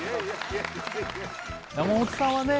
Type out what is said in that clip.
山本さんはね